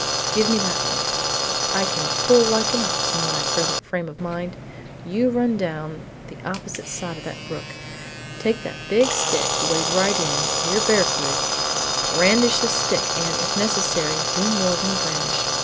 Give me that rope. I can pull like an ox in my present frame of mind. You run down on the opposite side of the brook, take that big stick wade right in you are barefooted, brandish the stick, and, if necessary, do more than brandish.